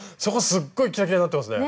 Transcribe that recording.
すっごいキラキラになってますね。